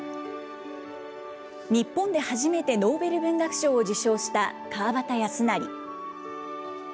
日本で初めてノーベル文学賞を受賞した川端康成。